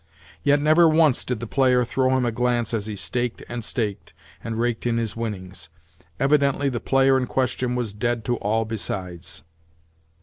Yet never once did the player throw him a glance as he staked and staked, and raked in his winnings. Evidently, the player in question was dead to all besides.